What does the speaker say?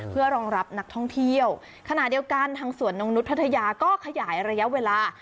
เพื่อรองรับนักท่องเที่ยวขณะเดียวกันทางสวนนกนุษย์พัทยาก็ขยายระยะเวลา